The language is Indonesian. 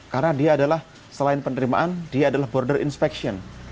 karena dia adalah selain penerimaan dia adalah border inspection